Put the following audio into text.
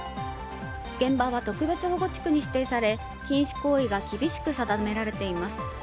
現場は特別保護地区に指定され禁止行為が厳しく定められています。